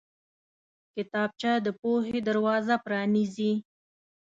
کتابچه د پوهې دروازه پرانیزي